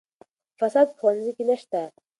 فساد په ښوونځي کې نشته.